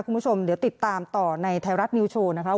คุณผู้ชมเดี๋ยวติดตามต่อในไทยรัฐนิวโชว์นะคะ